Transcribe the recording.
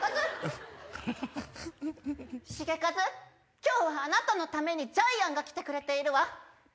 今日はあなたのためにジャイアンが来てくれているわ。